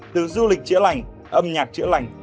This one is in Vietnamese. từ du lịch chữa lành âm nhạc chữa lành